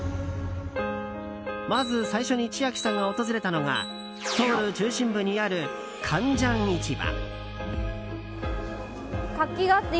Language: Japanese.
まず最初に千秋さんが訪れたのがソウル中心部にあるカンジャン市場。